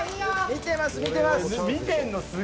見てます